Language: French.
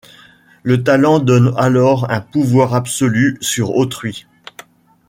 Le talent donne alors un pouvoir absolu sur autrui.